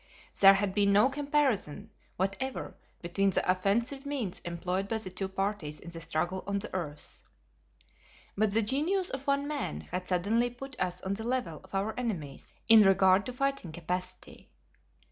There had been no comparison whatever between the offensive means employed by the two parties in the struggle on the earth. But the genius of one man had suddenly put us on the level of our enemies in regard to fighting capacity.